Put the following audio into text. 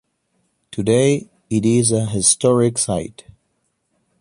Today it is a historic site.